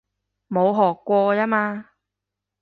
冇學過吖嘛